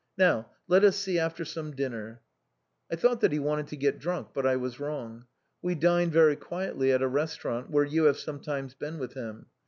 Now let us see after some dinner.' I thought that he wanted to get drunk, but I was wrong. We dined very quietly at a restaurant where you have some times been with him.